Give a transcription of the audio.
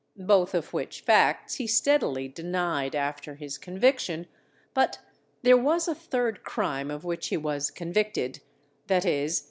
Both of which facts he steadily denied after his conviction, but there was a third crime of which he was convicted, viz.